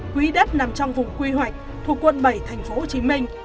quỹ đất nằm trong vùng quy hoạch thuộc quận bảy thành phố hồ chí minh